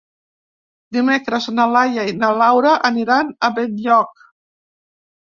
Dimecres na Laia i na Laura aniran a Benlloc.